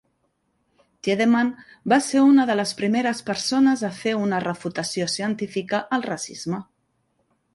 Tiedemann va ser una de les primeres persones a fer una refutació científica al racisme.